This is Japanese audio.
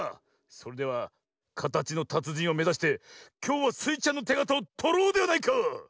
それではかたちのたつじんをめざしてきょうはスイちゃんのてがたをとろうではないか！